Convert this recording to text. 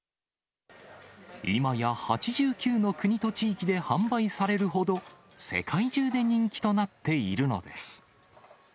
いまや８９の国と地域で販売されるほど、世界中で人気となっているのです。